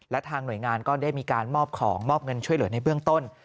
และทางหน่วยงานก็ได้มีการมอบของมอบเงินช่วยเหลือในเบื้องต้น